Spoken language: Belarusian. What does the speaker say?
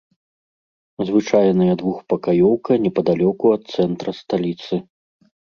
Звычайная двухпакаёўка непадалёку ад цэнтра сталіцы.